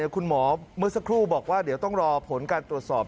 คุณหมอเมื่อสักครู่บอกว่าเดี๋ยวต้องรอผลการตรวจสอบ